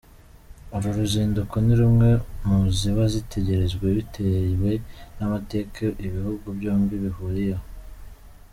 Uru ruzinduko ni rumwe mu ziba zitegerejwe, bitewe n’amateka ibihugu byombi bihuriyeho.